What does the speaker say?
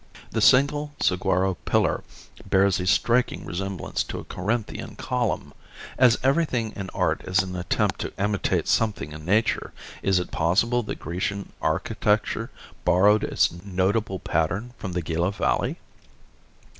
The single saguaro pillar bears a striking resemblance to a Corinthian column. As everything in art is an attempt to imitate something in nature, is it possible that Grecian architecture borrowed its notable pattern from the Gila valley?